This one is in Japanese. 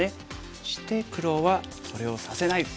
そして黒はそれをさせない。